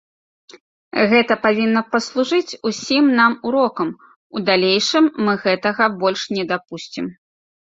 Гэта павінна паслужыць усім нам урокам, у далейшым мы гэтага больш не дапусцім.